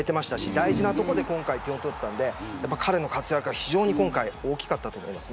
大事なところで点を取ったので彼の活躍は非常に大きかったと思います。